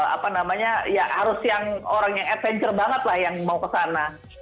apa namanya ya harus yang orang yang adventure banget lah yang mau ke sana